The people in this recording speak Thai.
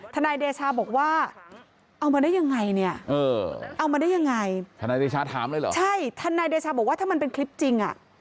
ทนายเดชาบอกว่าเอามาได้ยังไงทนายเดชาถามได้หรอใช่ทนายเดชาบอกว่าถ้ามันเป็นคลิปจริง